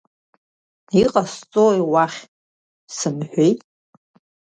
Иҟасҵои уахь, сымҳәеи?